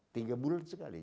tiga bulan sekali